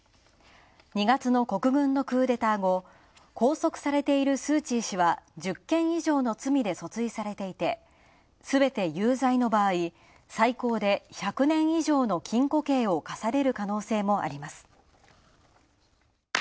２月の国軍のクーデター後拘束されているスー・チー氏は、１０件以上の罪で訴追されていてすべて有罪の場合、最高で１００年以上の禁固刑を科される可能性もあります。